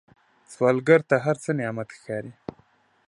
سوالګر ته هر څه نعمت ښکاري